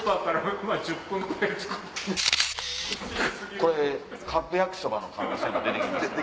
これカップ焼きそばの可能性も出て来ましたね。